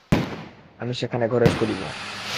আমি সেখানে ঘরের কাজ করিব।